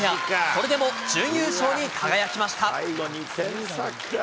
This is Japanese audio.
それでも準優勝に輝きました。